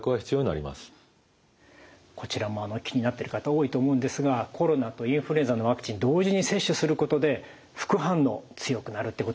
こちらも気になってる方多いと思うんですがコロナとインフルエンザのワクチン同時に接種することで副反応強くなるってことはないんでしょうか？